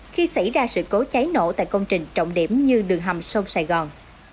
khi xảy ra sự cố cháy nổ tại công trình trọng điểm như đường hầm sông sài gòn